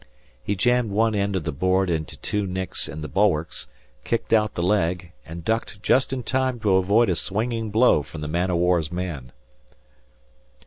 He jammed one end of the board into two nicks in the bulwarks, kicked out the leg, and ducked just in time to avoid a swinging blow from the man o' war's man.